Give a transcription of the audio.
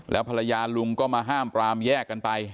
แล้วภรรยาลุงก็มาห้ามปรามแยกกันไป